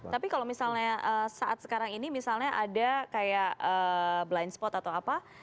tapi kalau misalnya saat sekarang ini misalnya ada kayak blind spot atau apa